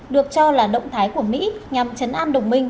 được cho là động thái của mỹ nhằm chấn an đồng minh